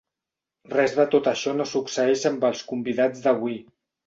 Res de tot això no succeeix amb els convidats d'avui.